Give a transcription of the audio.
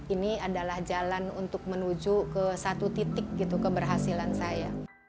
ini adalah jalan untuk menuju ke satu titik gitu keberhasilan saya